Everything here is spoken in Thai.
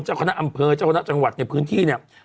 เจ้าคณะอำเภอเจ้าคณะจังหวัดในพื้นที่เนี่ย